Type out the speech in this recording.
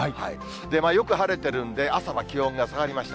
よく晴れてるんで、朝は気温が下がりました。